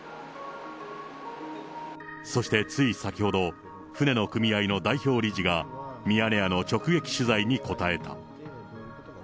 そしてつい先ほど、船の組合の代表理事が、ミヤネ屋の直撃取材に答えた。